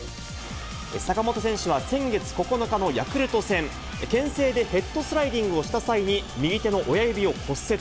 坂本選手は先月９日のヤクルト戦、けん制でヘッドスライディングをした際に、右手の親指を骨折。